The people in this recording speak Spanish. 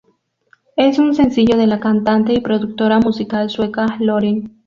Es un sencillo de la cantante y productora musical sueca Loreen.